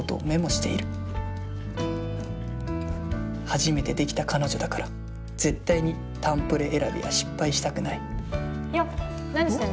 初めて出来た彼女だから絶対に誕プレ選びは失敗したくないよっ何してんの？